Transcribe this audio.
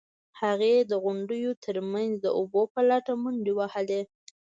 هغې د غونډیو ترمنځ د اوبو په لټه منډې وهلې.